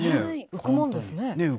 浮くもんですね。